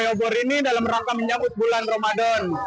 obor ini dalam rangka menyambut bulan ramadan